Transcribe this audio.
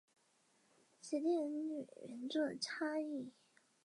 该物种的模式产地在南京。